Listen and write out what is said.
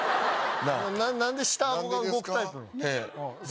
何で下顎が動くタイプなの？